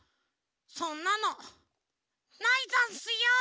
そんなのないざんすよ！